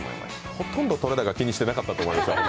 ほとんど撮れ高、気にしてなかったと思いますよ。